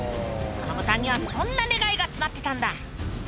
このボタンにはそんな願いが詰まってたんだ！